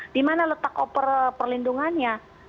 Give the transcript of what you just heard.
dimana letak oper perlindungannya